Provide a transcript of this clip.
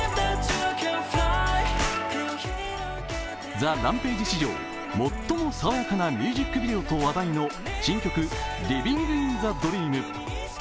ＴＨＥＲＡＭＰＡＧＥ史上最もさわやかなミュージックビデオと話題の新曲「ＬＩＶＩＮＧＩＮＴＨＥＤＲＥＡＭ」。